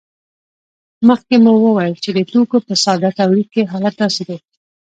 مخکې مو وویل چې د توکو په ساده تولید کې حالت داسې دی